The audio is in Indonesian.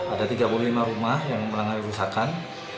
ada tiga puluh lima rumah yang melanggari kerusakan